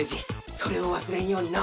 それをわすれんようにな。